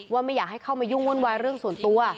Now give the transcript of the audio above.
ไม่อยากให้เข้ามายุ่งวุ่นวายเรื่องส่วนตัว